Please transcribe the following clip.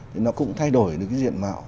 thì nó cũng thay đổi được cái diện mạo